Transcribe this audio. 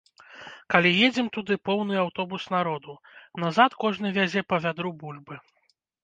Калі едзем туды, поўны аўтобус народу, назад кожны вязе па вядру бульбы.